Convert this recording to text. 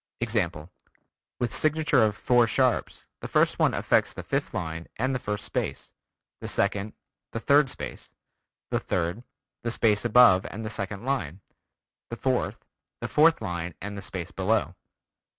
Example: With signature of four sharps, the first one affects the fifth line and the first space; the second, the third space; the third, the space above and the second line; the fourth, the fourth line and the space below.